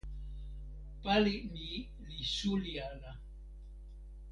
pali mi li suli ala.